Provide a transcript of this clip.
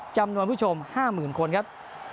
จำนวนผู้ชม๕๐๐๐คนครับ